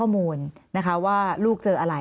มันเป็นอาหารของพระราชา